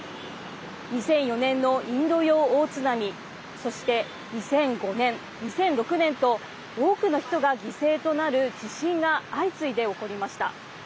２００４年のインド洋大津波そして、２００５年２００６年と多くの人が犠牲となる地震が相次いで起こりました。